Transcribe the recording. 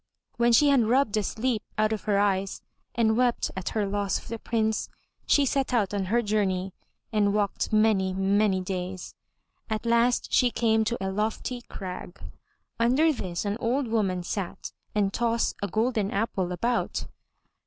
When she had rubbed the sleep out of her eyes and wept at her loss of the Prince, she set out on her journey and walked many, many days. At last she came to a lofty crag. Under this an old woman sat and tossed a golden apple about.